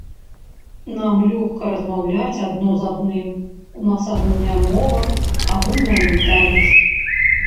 Нам лёгка размаўляць адно з адным, у нас агульная мова, агульная ментальнасць.